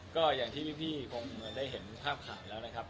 ก็อย่างที่พี่ผมเหมือนได้เห็นภาพข่าวแล้วนะครับ